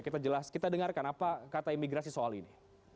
kita jelas kita dengarkan apa kata imigrasi soal ini